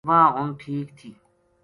واہ ہُن ٹھیک تھی